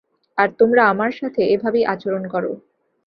আর তোমরা আমার সাথে এভাবেই আচরণ কর।